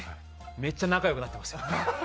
めっちゃ仲良くなってますよ。